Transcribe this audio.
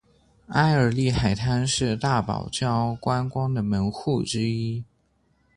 埃尔利海滩是大堡礁观光的门户之一。